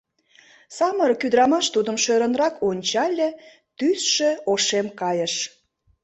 Самырык ӱдрамаш тудым шӧрынрак ончале, тӱсшӧ ошем кайыш.